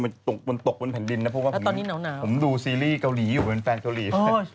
มันตกมันตกบนแผ่นดินนะเพราะว่าผมดูซีรีส์เกาหลีอยู่เป็นแฟนเกาหลี